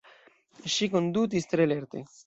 Ŝi kondutis tre lerte.